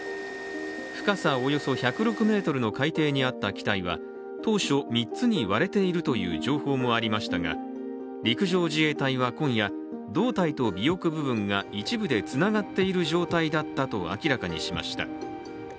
深さおよそ１０６ｍの海底にあった機体は当初、３つに割れているという情報もありましたが陸上自衛隊は今夜、胴体と尾翼部分が一部でつながっている状態だったと明らかにしました。